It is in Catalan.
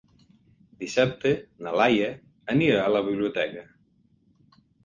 Dissabte na Laia anirà a la biblioteca.